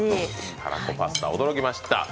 タラコパスタ、驚きました。